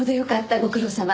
ご苦労さま。